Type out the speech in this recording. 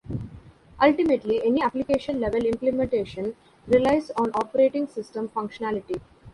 Ultimately, any application-level implementation relies on operating-system functionality.